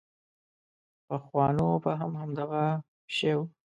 پخوانو فهم همدغه شی و.